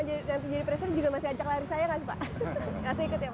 masih ikut ya pak